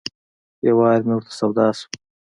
یو وار مې ورته سودا شوه.